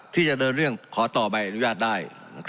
ที่จะเดินเรื่องขอต่อใบอนุญาตได้